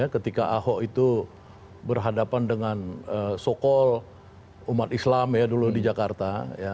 ketika ahok itu berhadapan dengan sokol umat islam ya dulu di jakarta